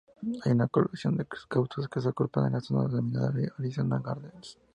Hay una colección de cactus que se agrupan en la zona denominada "Arizona Gardens".